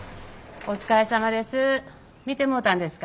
お疲れさまです。